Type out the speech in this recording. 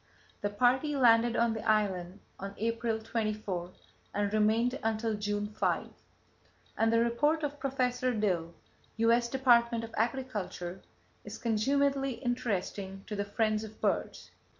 The party landed on the island on April 24 and remained until June 5, and the report of Professor Dill (U.S. Department of Agriculture) is consumedly interesting to the friends of birds.